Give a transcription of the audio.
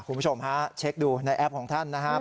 คุณผู้ชมฮะเช็คดูในแอปของท่านนะครับ